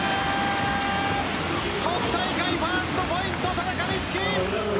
今大会、ファーストポイント田中瑞稀。